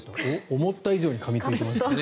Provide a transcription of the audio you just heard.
思った以上にかみついてました。